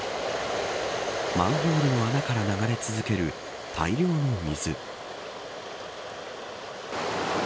マンホールの穴から流れ続ける大量の水。